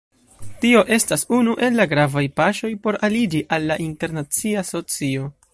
Tio estas unu el la gravaj paŝoj por aliĝi al la internacia socio.